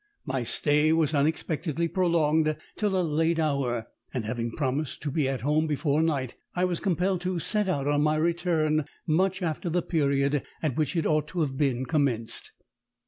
My stay was unexpectedly prolonged till a late hour, and having promised to be at home before night, I was compelled to set out on my return much after the period at which it ought to have been commenced.